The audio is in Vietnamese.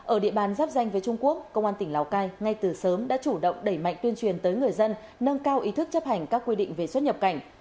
ở địa bàn giáp danh với trung quốc công an tỉnh lào cai ngay từ sớm đã chủ động đẩy mạnh tuyên truyền tới người dân nâng cao ý thức chấp hành các quy định về xuất nhập cảnh